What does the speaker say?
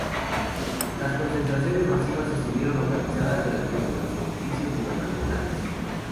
Las concentraciones masivas estuvieron organizadas delante de los edificios gubernamentales.